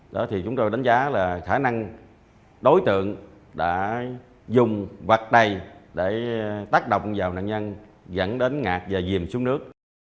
đó thì chúng tôi đánh giá là khả năng đối tượng đã dùng vặt đầy để tác động vào nạn nhân dẫn đến ngạc và dìm xuống nước